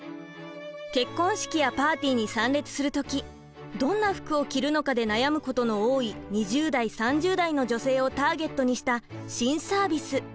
結婚式やパーティーに参列する時どんな服を着るのかで悩むことの多い２０代３０代の女性をターゲットにした新サービス。